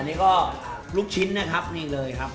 นี่ก็ลูกชิ้นนะครับนี่เลยครับ